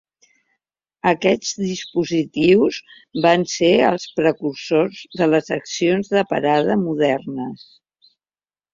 Aquests dispositius van ser els precursors de les accions de parada modernes.